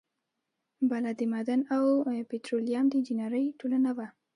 بله د معدن او پیټرولیم د انجینری ټولنه وه.